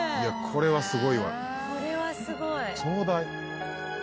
「これはすごい」「壮大」